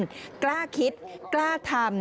พอพาไปดูก็จะพาไปดูที่เรื่องของเครื่องบินเฮลิคอปเตอร์ต่าง